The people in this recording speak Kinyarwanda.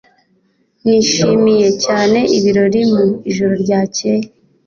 Nishimiye cyane ibirori mu ijoro ryakeye